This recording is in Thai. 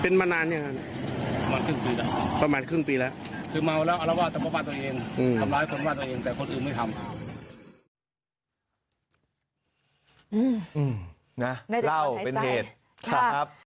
น่ะเล่าเป็นเหตุครับ